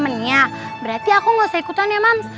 tapi aku gak usah ikutan ya mams